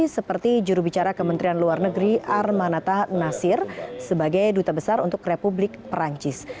seperti jurubicara kementerian luar negeri armanata nasir sebagai duta besar untuk republik perancis